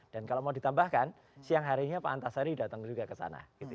dan kalau mau ditambahkan siang harinya pak antasari datang juga ke sana